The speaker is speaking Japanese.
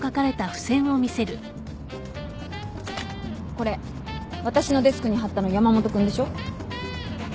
これ私のデスクに貼ったの山本君でしょ？